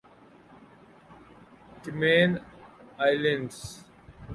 Cayman islands